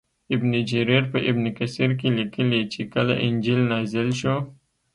ابن جریر په ابن کثیر کې لیکلي چې کله انجیل نازل شو.